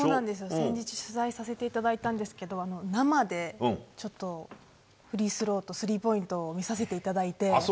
先日取材させていただいたんですけど生でフリースローとスリーポイントを見させていただいて。